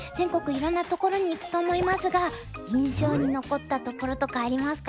いろんなところに行くと思いますが印象に残ったところとかありますか？